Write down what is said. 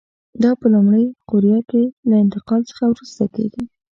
دا په لومړۍ قوریه کې له انتقال څخه وروسته کېږي.